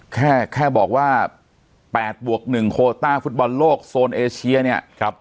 แค่แค่บอกว่า๘บวก๑โคต้าฟุตบอลโลกโซนเอเชียเนี่ย